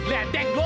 liat dek lu